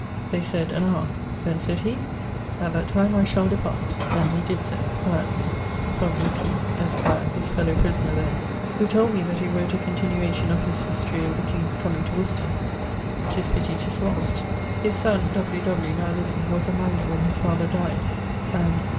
They sayd, an hower. 'Then,' sayd he, 'at that time I shall depart'; and he did so, quietly from E. P .,, esq., his fellow prisoner there, who told me that he wrote a continuation of his Historic of the king's comeing to Worcester: 'tis pitty 'tis lost. His son[CF], W. W., now living, was a minor when his father dyed; and